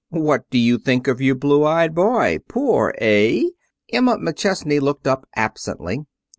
"What do you think of your blue eyed boy! Poor, eh?" Emma McChesney looked up absently.